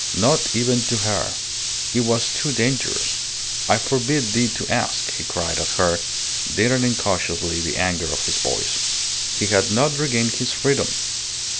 Not even to her. It was too dangerous. "I forbid thee to ask," he cried at her, deadening cautiously the anger of his voice. He had not regained his freedom.